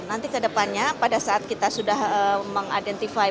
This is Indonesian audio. nanti ke depannya pada saat kita sudah meng identify